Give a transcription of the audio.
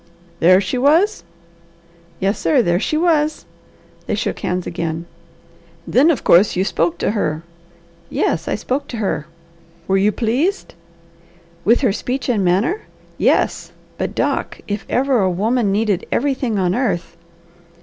"There she was?" "Yes sir; there she was!" They shook hands again. "Then of course you spoke to her." "Yes I spoke to her." "Were you pleased?" "With her speech and manner? yes. But, Doc, if ever a woman needed everything on earth!"